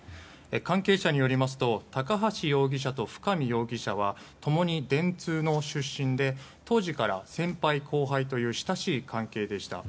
関係者によりますと高橋容疑者と深見容疑者は共に電通の出身で当時から先輩・後輩という親しい関係でした。